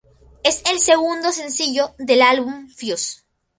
Es el segundo sencillo del álbum "Fuse".